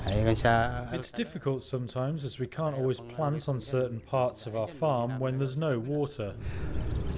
biasanya ini sulit karena kita tidak bisa menanam di beberapa bagian dari farm kita ketika tidak ada air